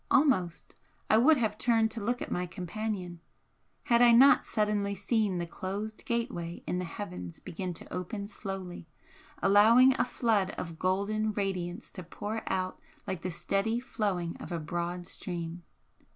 Almost I would have turned to look at my companion had I not suddenly seen the closed gateway in the heavens begin to open slowly, allowing a flood of golden radiance to pour out like the steady flowing of a broad stream.